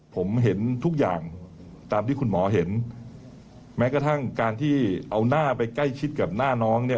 ผมเห็นทุกอย่างตามที่คุณหมอเห็นแม้กระทั่งการที่เอาหน้าไปใกล้ชิดกับหน้าน้องเนี่ย